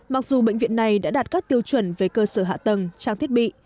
mặc dù bệnh viện này đã đạt các tiêu chuẩn về cơ sở hạ tầng trang thiết bị